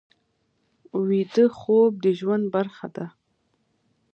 ویده خوب د ژوند برخه ده